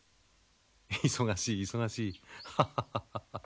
忙しい忙しいハハハハハハ。